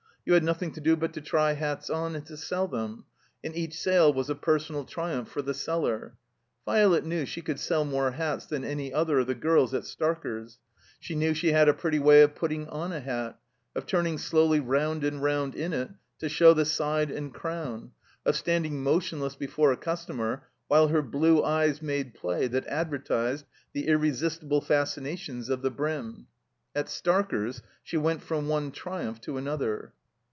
You had nothing to do but to try hats on and to sell them, and each sale was a personal triumph for the seller. Violet knew she could sell more hats than any other of the girls at Starker 's; she knew she had a pretty way of putting on a hat, of turning slowly round and round in it to show the side and crown, of standing motionless before a customer while her blue eyes made play that advertised the irresistible fascinations of the brim. At Starker's she went from one triumph to another.